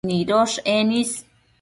nidosh is